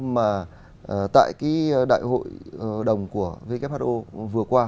mà tại đại hội đồng của who vừa qua